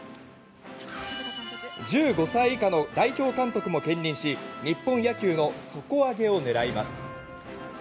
１５歳以下の代表監督も兼任し日本野球の底上げを狙います。